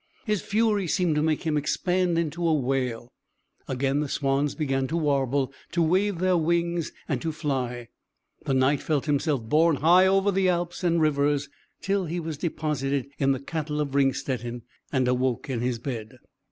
His fury seemed to make him expand into a whale. Again the swans began to warble, to wave their wings, and to fly; the Knight felt himself borne high over alps and rivers, till he was deposited in the Castle of Ringstetten, and awoke in his bed.